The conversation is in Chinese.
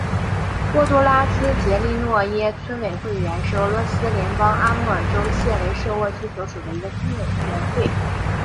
沃多拉兹杰利诺耶村委员会是俄罗斯联邦阿穆尔州谢雷舍沃区所属的一个村委员会。